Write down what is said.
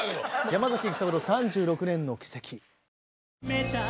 「山崎育三郎３６年の軌跡」。